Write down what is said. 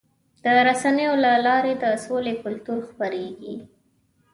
د رسنیو له لارې د سولې کلتور خپرېږي.